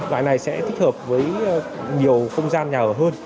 loại này sẽ thích hợp với nhiều không gian nhà ở hơn